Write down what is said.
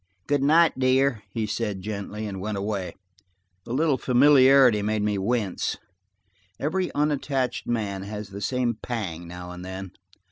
"Good night, dear," he said gently and went away. The little familiarity made me wince. Every unattached man has the same pang now and then.